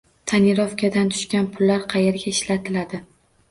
Tonirovkadan tushgan pullar qayerga ishlatiladi?